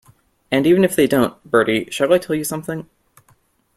And even if they don't — Bertie, shall I tell you something?